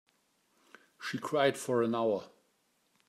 She cried for an hour.